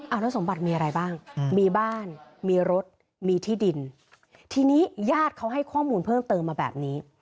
เอาแล้วสมบัติมีอะไรบ้างมีบ้านมีรถมีที่ดินทีนี้ญาติเขาให้ข้อมูลเพิ่มเติมมาแบบนี้